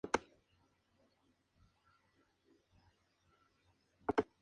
Francis College es una universidad privada, católica, situada en Brooklyn, New York, Estados Unidos.